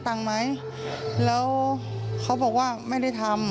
ลูกนั่นแหละที่เป็นคนผิดที่ทำแบบนี้